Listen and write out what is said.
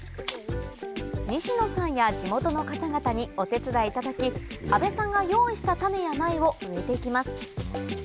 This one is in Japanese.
西野さんや地元の方々にお手伝いいただき阿部さんが用意した種や苗を植えて行きます